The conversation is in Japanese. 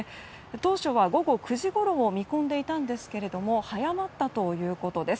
当初は午後９時ごろを見込んでいたんですけれども早まったということです。